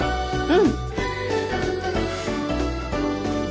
うん。